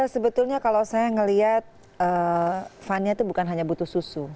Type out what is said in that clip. sebetulnya kalau saya melihat fun nya itu bukan hanya butuh susu